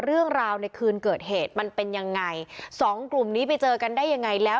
เรื่องราวในคืนเกิดเหตุมันเป็นยังไงสองกลุ่มนี้ไปเจอกันได้ยังไงแล้ว